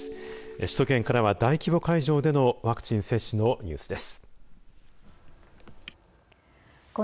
首都圏からは大規模会場でのワクチン接種のニュースです。